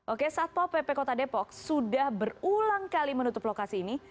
oke satpol pp kota depok sudah berulang kali menutup lokasi ini